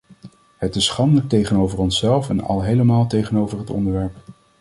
Het is schandelijk tegenover onszelf en al helemaal tegenover het onderwerp!